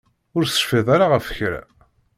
Ur tecfiḍ ula ɣef kra?